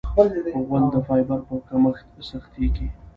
غول د فایبر په کمښت سختېږي.